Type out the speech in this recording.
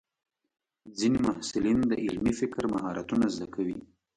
ځینې محصلین د علمي فکر مهارتونه زده کوي.